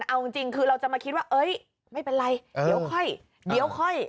เอาจริงคือเราจะมาคิดว่าเอ๊ยไม่เป็นไรเดี๋ยวค่อย